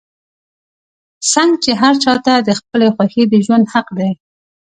څنګ چې هر چا ته د خپلې خوښې د ژوند حق دے